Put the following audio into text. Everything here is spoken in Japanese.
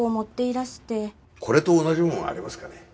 これと同じものありますかね？